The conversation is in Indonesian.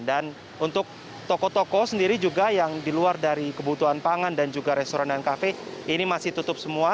dan untuk toko toko sendiri juga yang di luar dari kebutuhan pangan dan juga restoran dan kafe ini masih tutup semua